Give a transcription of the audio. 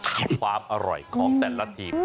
คือความอร่อยของแต่ละทีม